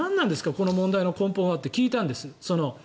この問題の根本はって聞いたんです。